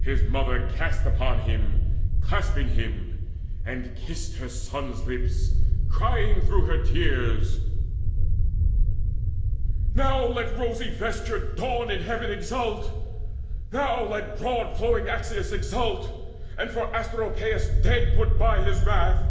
His mother cast her on him, clasping him, And kissed her son's lips, crying through her tears: "Now let the rosy vestured Dawn in heaven Exult! Now let broad flowing Axius Exult, and for Asteropaeus dead Put by his wrath!